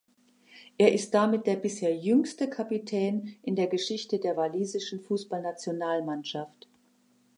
Er ist damit der bisher jüngste Kapitän in der Geschichte der Walisischen Fußballnationalmannschaft.